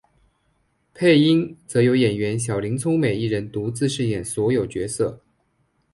配音则由演员小林聪美一人独自饰演所有角色。